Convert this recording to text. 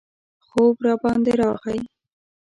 خوب راباندې راغی.